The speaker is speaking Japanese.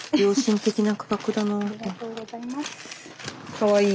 かわいい！